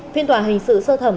phiên tòa hình sự sơ thẩm